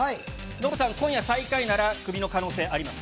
ノブさん、今夜、最下位ならクビの可能性あります。